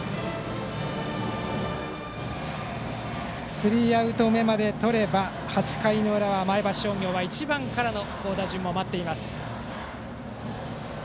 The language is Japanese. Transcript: スリーアウト目までとれば８回の裏は前橋商業は１番からの好打順も待っています。